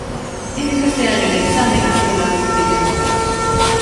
Dicen que este año el exámen ha sido más difícil que nunca.